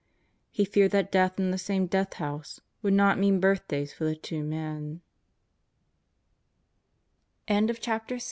He feared that death in the same Death House would not mean birthdays for the two me